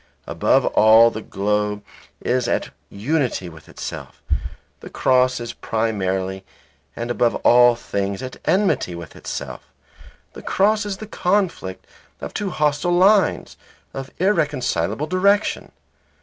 Above all the globe is at unity with itself; the cross is primarily and above all things at enmity with itself. The cross is the conflict of two hostile lines, of irreconcilable direction.